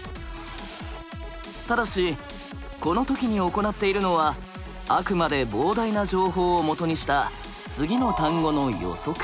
ただしこの時に行っているのはあくまで膨大な情報をもとにした次の単語の予測。